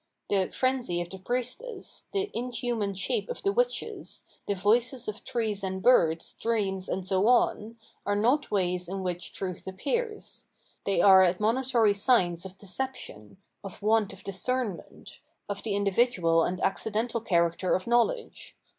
The frenzy of the priestess, the inhuman shape of the witches, the voices of trees and birds, dreams, and so on, are not ways in which truth appears; they are admonitory signs of decep tion, of want of discernment, of the individual and accidental character of knowledge.